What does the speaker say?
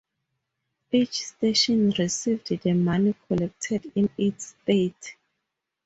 Each station received the money collected in its state.